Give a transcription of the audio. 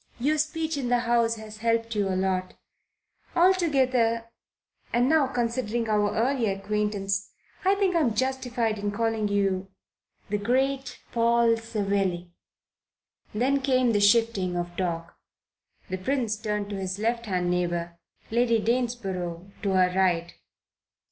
Your speech in the House has helped you a lot. Altogether and now considering our early acquaintance I think I'm justified in calling you 'the great Paul Savelli.'" Then came the shifting of talk. The Prince turned to his left hand neighbour; Lady Danesborough to her right.